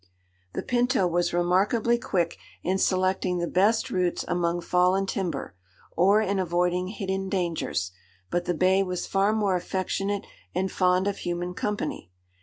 The Pinto was remarkably quick in selecting the best routes among fallen timber, or in avoiding hidden dangers, but the Bay was far more affectionate and fond of human company.